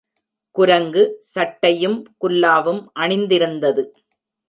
குரங்கு, சட் டையும் குல்லாவும் அணிந்திருந்தது.